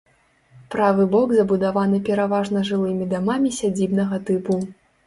Правы бок забудаваны пераважна жылымі дамамі сядзібнага тыпу.